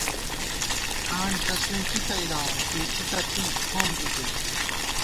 کانڈہ تسُوئیں کی تئیدارون، کېڅی تہ تھی پوم دُکېت